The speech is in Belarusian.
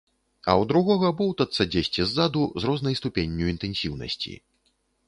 А ў другога боўтацца дзесьці ззаду з рознай ступенню інтэнсіўнасці.